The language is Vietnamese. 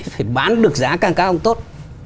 phải bán được giá càng cao tốt